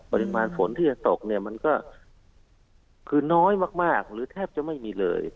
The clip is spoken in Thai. ปริมาณฝนที่จะตกเนี่ยมันก็คือน้อยมากหรือแทบจะไม่มีเลย